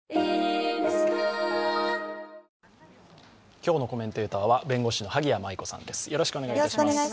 今日のコメンテーターは弁護士の萩谷麻衣子さんです。